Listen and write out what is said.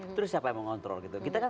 itu siapa yang mengontrol kita kan